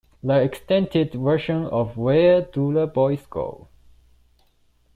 The extended version of Where Do the Boys Go?